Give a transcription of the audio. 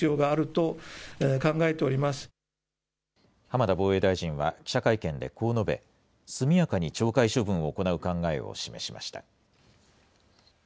浜田防衛大臣は記者会見でこう述べ、速やかに懲戒処分を行う考えを示しました。